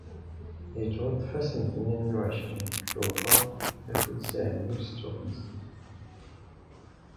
Yettwaṭṭef ass n tnin u εecrin deg tuber alef u tesεemya u setta u xemsin.